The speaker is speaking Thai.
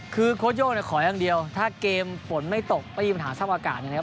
คือโค้ดโยกขออย่างเดียวถ้าเกมฝนไม่ตกก็ไม่มีปัญหาส้มอากาศพอเล่นไหว